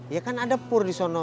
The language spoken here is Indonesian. ya kan ada pur di sana